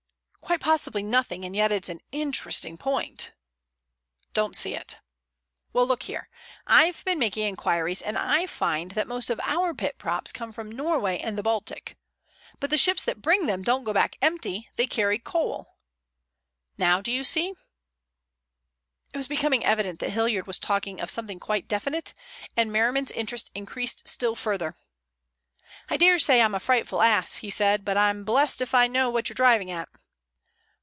"Quite possibly nothing, and yet it's an interesting point." "Don't see it." "Well, look here. I've been making inquiries, and I find most of our pit props come from Norway and the Baltic. But the ships that bring them don't go back empty. They carry coal. Now do you see?" It was becoming evident that Hilliard was talking of something quite definite, and Merriman's interest increased still further. "I daresay I'm a frightful ass," he said, "but I'm blessed if I know what you're driving at."